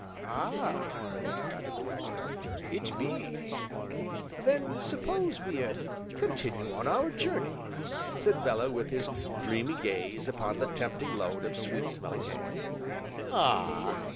"Ah!" nodded the Waggoner, "it be." "Then suppose we er continue our journey?" said Bellew with his dreamy gaze upon the tempting load of sweet smelling hay. "Ah!"